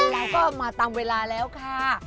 แล้วก็มาตามเวลาแล้วค่ะ